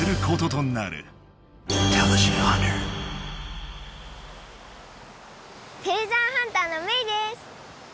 てれジャーハンターのメイです！